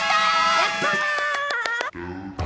やった！